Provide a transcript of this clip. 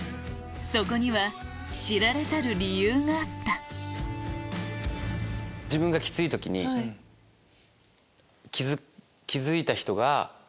そこには知られざる理由があった自分がきつい時に気付いた人が。